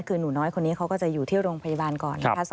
คือหนูน้อยคนนี้เขาก็จะอยู่ที่โรงพยาบาลก่อนนะคะ